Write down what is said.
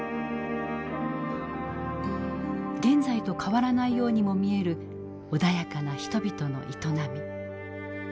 現在と変わらないようにも見える穏やかな人々の営み。